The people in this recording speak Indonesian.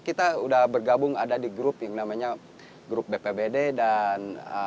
kita sudah bergabung ada di grup yang namanya grup bpbd dan